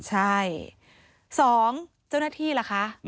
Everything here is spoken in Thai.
สองเจ้าหน้าที่ละคะ